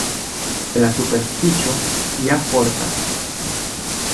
Kaj la superstiĉo ja fortas.